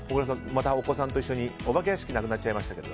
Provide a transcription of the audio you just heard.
またお子さんと一緒にお化け屋敷はなくなってしまいましたが。